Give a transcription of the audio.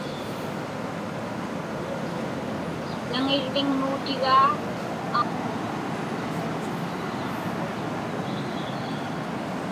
Naniŋviŋmuutigaa Aaŋa.